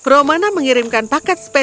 romana mengirimkan paket sepuluh